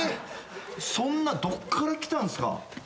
そんなどっから来たんすか？